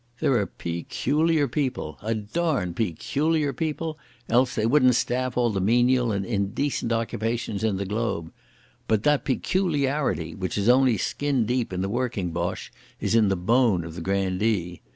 They're a pecooliar people, a darned pecooliar people, else they wouldn't staff all the menial and indecent occupations on the globe. But that pecooliarity, which is only skin deep in the working Boche, is in the bone of the grandee.